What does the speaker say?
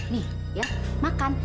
nih ya makan